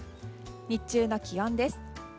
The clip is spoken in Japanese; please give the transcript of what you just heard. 日中の気温です。